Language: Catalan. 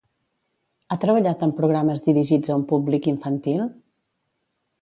Ha treballat en programes dirigits a un públic infantil?